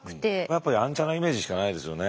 やっぱヤンチャなイメージしかないですよね。